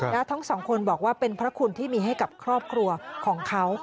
แล้วทั้งสองคนบอกว่าเป็นพระคุณที่มีให้กับครอบครัวของเขา